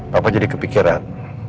papa jadi kepikiran